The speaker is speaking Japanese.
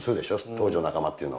当時の仲間っていうのは。